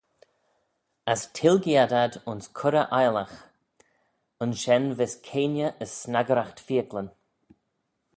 As tilgee ad ad ayns coirrey aileagh: ayns shen vees keayney as snaggeraght feeacklyn.